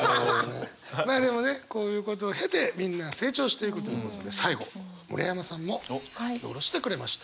まあでもねこういうことを経てみんな成長していくということで最後村山さんも書き下ろしてくれました。